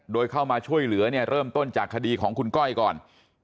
โดยเข้ามาช่วยเหลือเนี่ยเริ่มต้นจากคดีของคุณก้อยก่อน